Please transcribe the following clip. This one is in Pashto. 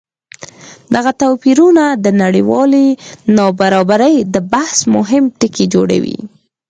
دغه توپیرونه د نړیوالې نابرابرۍ د بحث مهم ټکی جوړوي.